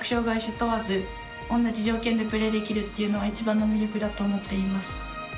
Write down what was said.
問わず同じ条件でプレーできるっていうのは一番の魅力だと思っています。